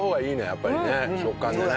やっぱりね食感でね。